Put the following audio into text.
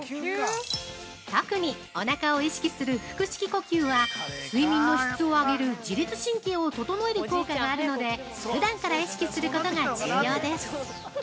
特におなかを意識する腹式呼吸は睡眠の質を上げる自律神経を整える効果があるのでふだんから意識することが重要です。